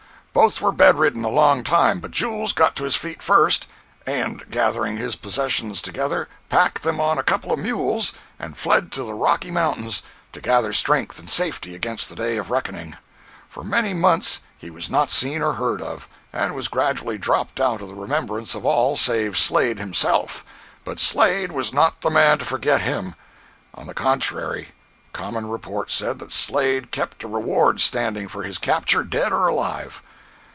Both were bedridden a long time, but Jules got to his feet first, and gathering his possessions together, packed them on a couple of mules, and fled to the Rocky Mountains to gather strength in safety against the day of reckoning. For many months he was not seen or heard of, and was gradually dropped out of the remembrance of all save Slade himself. But Slade was not the man to forget him. On the contrary, common report said that Slade kept a reward standing for his capture, dead or alive!